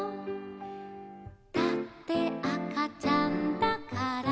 「だってあかちゃんだから」